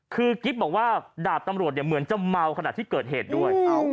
คือกิ๊บบอกว่าดาบตำรวจเนี่ยเหมือนจะเมาขนาดที่เกิดเหตุด้วย